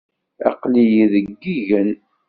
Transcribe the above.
Aql-iyi deg yigen.